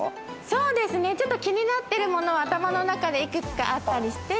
そうですねちょっと気になってるものは頭の中でいくつかあったりして。